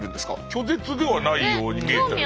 拒絶ではないように見えたよね。